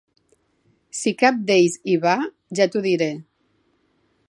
Si cap d'ells hi va, ja t'ho diré.